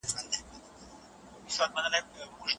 هغوی نظام پر خپل ځای وساته.